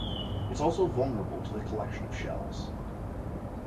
It is also vulnerable to the collection of shells.